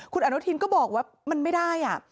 คุณอนุทินก็บอกว่ามันไม่ได้